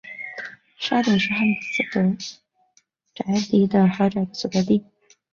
沙点是汉普斯德宅邸等豪宅的所在地。